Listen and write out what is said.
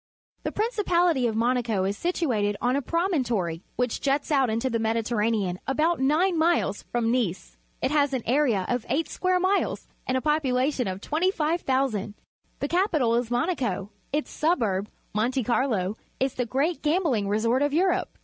— The principality of Monaco is situated on a promontory, which juts out into the ^Mediterranean about nine miles from Nice. It has an area of eight square miles and a population of 25,000. The capital is Monaco. Its suburb, Monte Carlo, is the great gambling resort of Europe.